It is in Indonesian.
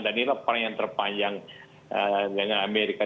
dan ini adalah perang yang terpanjang dengan amerika